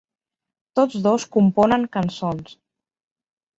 Tots dos componen cançons.